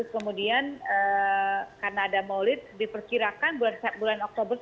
kemudian karena ada maulid diperkirakan bulan oktober